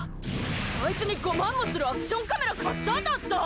あいつに５万もするアクションカメラ買ったんだった！